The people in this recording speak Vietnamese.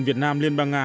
việt nam liên bang nga